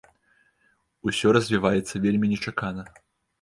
Усё развіваецца вельмі нечакана.